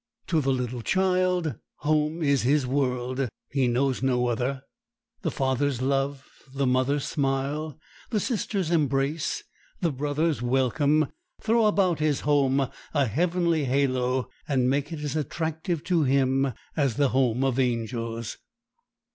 To the little child, home is his world—he knows no other. The father's love, the mother's smile, the sister's embrace, the brother's welcome, throw about his home a heavenly halo, and make it as attractive to him as the home of angels.